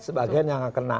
sebagian yang tidak kena